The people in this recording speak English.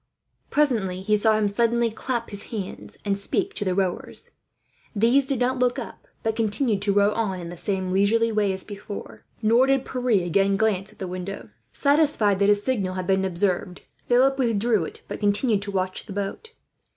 Presently he saw him suddenly clap his hands, and speak to the rowers. These did not look up, but continued to row on in the same leisurely way as before; nor did Pierre again glance at the castle. Satisfied that his signal had been observed, Philip withdrew it, but continued to watch the boat.